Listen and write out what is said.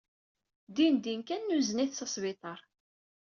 Dindin kan nuzen-it s asbiṭar.